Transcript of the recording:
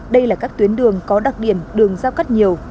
đây là các tuyến đường có đặc điểm đường giao cắt nhiều